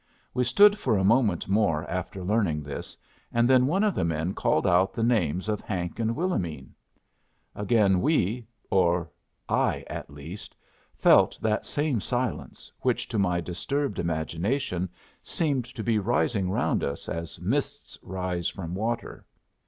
We stood for a moment more after learning this, and then one of the men called out the names of Hank and Willomene. Again we or I at least felt that same silence, which to my disturbed imagination seemed to be rising round us as mists rise from water.